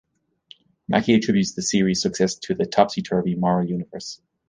Mackey attributes the series' success to the "topsy-turvy moral universe".